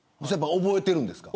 覚えているんですか。